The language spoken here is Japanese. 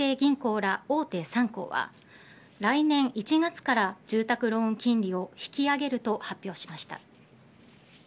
ら大手３行は来年１月から住宅ローン金利を引き上げると発表しました。